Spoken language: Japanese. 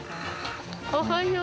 おはよう。